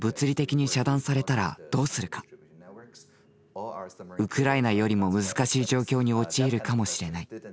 でもウクライナよりも難しい状況に陥るかもしれない。